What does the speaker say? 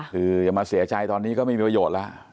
คืออย่ามาเสียใจตอนนี้ก็ไม่มีประโยชน์แล้ว